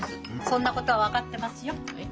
そんなことは分かってますよ。